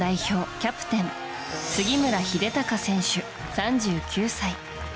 キャプテン杉村英孝選手、３９歳。